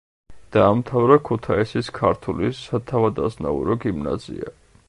დაამთავრა ქუთაისის ქართული სათავადაზნაურო გიმნაზია.